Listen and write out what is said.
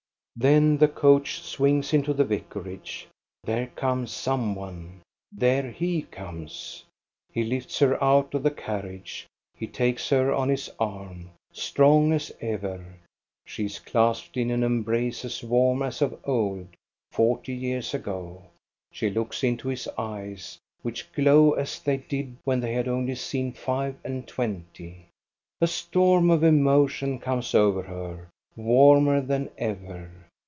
Then the coach swings into the vicarage, there comes some one, there he comes. He lifts her out of the carriage, he takes her on his arm, strong as ever, she is clasped in an embrace as warm as of old, forty years ago. She looks into his eyes; which glow as they did when they had only seen five and twenty A storm of emotion comes over her — warmer than ever.